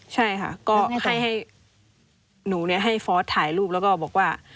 ใช่ค่ะก็ให้หนูให้ฟอสถ่ายรูปแล้วก็บอกว่า